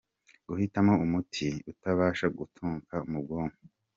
Guhitamo umuti utabasha gutunguka mu bwonko.